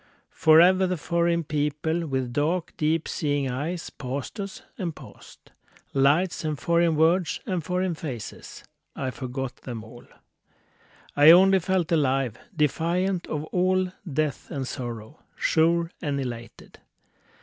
Forever the foreign people with dark, deep seeing eyes Passed us and passed. Lights and foreign words and foreign faces, I forgot them all; I only felt alive, defiant of all death and sorrow, Sure and elated.